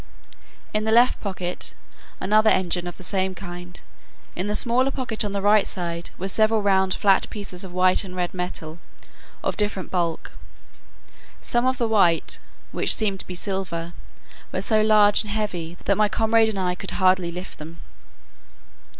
In the left pocket, another engine of the same kind. In the smaller pocket on the right side, were several round flat pieces of white and red metal, of different bulk; some of the white, which seemed to be silver, were so large and heavy, that my comrade and I could hardly lift them.